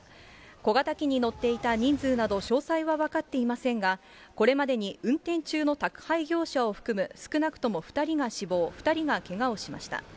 小型機に乗っていた人数など詳細は分かっていませんが、これまでに運転中の宅配業者を含む、少なくとも２人が死亡、２人がけがをしました。